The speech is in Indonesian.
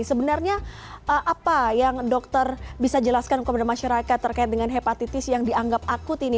sebenarnya apa yang dokter bisa jelaskan kepada masyarakat terkait dengan hepatitis yang dianggap akut ini